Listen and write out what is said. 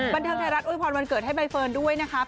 บรรทัยรัฐอุยพรวันเกิดให้ใบเฟิร์นด้วยนะคะ